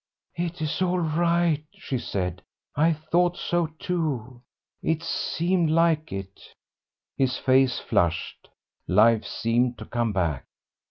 "It's all right," she said. "I thought so too; it seemed like it." His face flushed, life seemed to come back.